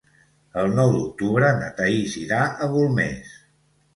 El nou d'octubre na Thaís irà a Golmés.